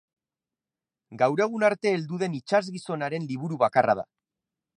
Gaur egun arte heldu den itsasgizon haren liburu bakarra da.